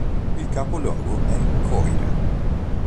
Il capoluogo è Coira.